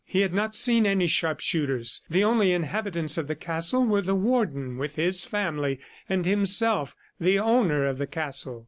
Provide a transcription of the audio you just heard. He had not seen any sharpshooters. The only inhabitants of the castle were the Warden with his family and himself, the owner of the castle.